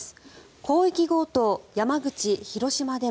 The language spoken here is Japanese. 広域強盗、山口・広島でも？